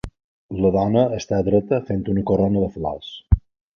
La dona està dreta fent una corona de flors.